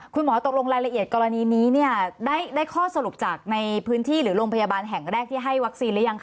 คุณหมอตกลงรายละเอียดกรณีนี้เนี่ยได้ข้อสรุปจากในพื้นที่หรือโรงพยาบาลแห่งแรกที่ให้วัคซีนหรือยังค